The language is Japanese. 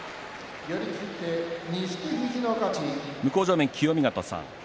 向正面の清見潟さん